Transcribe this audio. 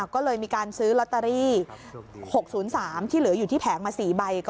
ก็เลยมีการซื้อลอตเตอรี่๖๐๓ที่เหลืออยู่ที่แผงมา๔ใบ